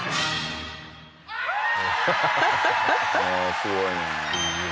すごいね。